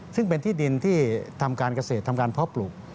ซึ่งเป็นที่ดินที่ทำการเกษตรทำการเพาะปลูก